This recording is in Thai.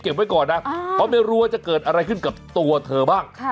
ไว้ก่อนนะเพราะไม่รู้ว่าจะเกิดอะไรขึ้นกับตัวเธอบ้าง